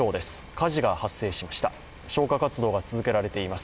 火事が発生しました、消火活動が続けられています。